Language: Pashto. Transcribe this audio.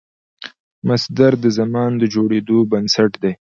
مصدر د زمان د جوړېدو بنسټ دئ.